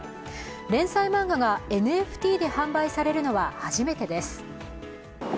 連載漫画がＮＦＴで販売されるのは初めてです。